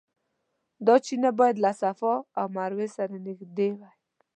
دا چینه باید له صفا او مروه سره نږدې وای.